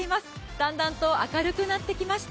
だんだんと明るくなってきました。